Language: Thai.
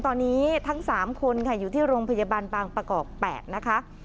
ตอนนี้ทั้ง๓คนค่ะอยู่ที่โรงพยาบาลบางประกอบ๘นะคะ